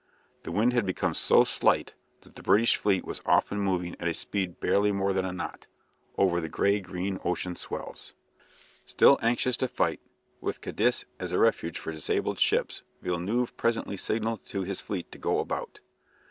The wind had become so slight that the British fleet was often moving at a speed of barely more than a knot over the grey green ocean swells. Still anxious to fight, with Cadiz as a refuge for disabled ships, Villeneuve presently signalled to his fleet to go about.